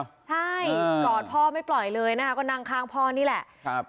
ใช่กอดพ่อไม่ปล่อยเลยนะคะก็นั่งข้างพ่อนี่แหละครับ